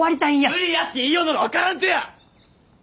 無理やって言いようのが分からんとや！